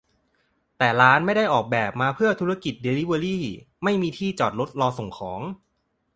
แต่ร้านไม่ได้ออกแบบมาเพื่อธุรกิจเดลิเวอรี ไม่มีที่จอดรถรอส่งของ